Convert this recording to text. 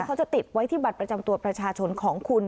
เขาจะติดไว้ที่บัตรประจำตัวประชาชนของคุณ